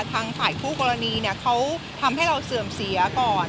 ทางฝ่ายคู่กรณีเขาทำให้เราเสื่อมเสียก่อน